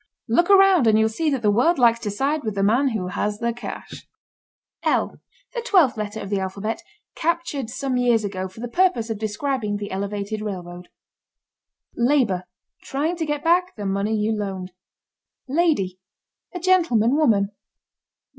Look around and you'll see that the world likes to side with the man who has the cash. ### L: The twelfth letter of the alphabet, captured some years ago for the purpose of describing the Elevated Railroad. ###LABOR. Trying to get back the money you loaned. LADY. A gentleman woman.